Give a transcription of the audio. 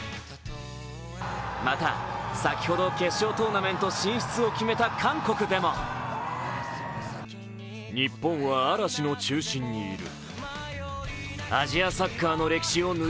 また、先ほど決勝トーナメント進出を決めた韓国でもなどと、絶賛されています。